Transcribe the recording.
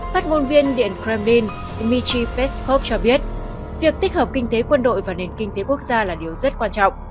phát ngôn viên điện kremlin mitri peskov cho biết việc tích hợp kinh tế quân đội và nền kinh tế quốc gia là điều rất quan trọng